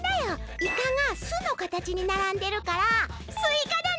「いか」が「す」のかたちにならんでるから「すいか」だね！